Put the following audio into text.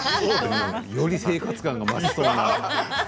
より生活感が増しそうな。